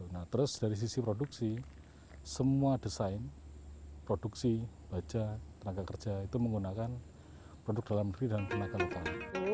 nah terus dari sisi produksi semua desain produksi baja tenaga kerja itu menggunakan produk dalam negeri dan tenaga lokal